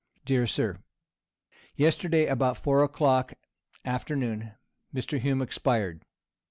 "DEAR SIR, "Yesterday, about four o'clock, afternoon, Mr. Hume expired.